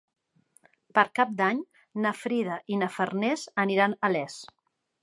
Per Cap d'Any na Frida i na Farners aniran a Les.